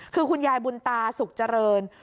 คือคุณยายบุญตาสุขเจริญ